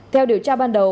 theo điều tra ban đầu